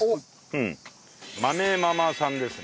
マメママさんですね。